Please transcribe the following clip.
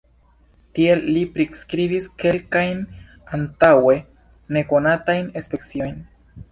Tiel li priskribis kelkajn antaŭe nekonatajn speciojn.